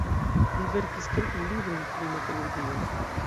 Li verkis kelkajn librojn pri metalurgio.